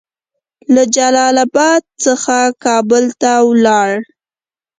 له جلال اباد څخه کابل ته ولاړ.